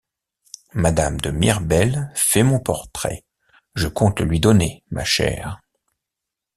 Madame de Mirbel fait mon portrait, je compte le lui donner, ma chère.